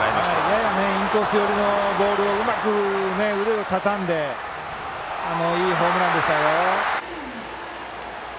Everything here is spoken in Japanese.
ややインコース寄りのボールを、うまく腕をたたんでいいホームランでした。